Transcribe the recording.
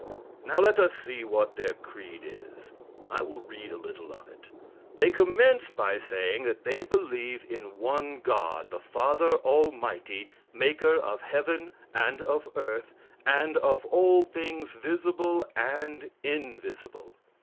Now, let us see what their creed is. I will read a little of it. They commence by saying that they "believe in one God, the Father Almighty, maker of heaven, and of earth, and of all things visible and invisible."